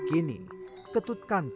kini ketut kanta